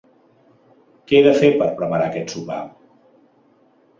Què he de fer per preparar aquest sopar?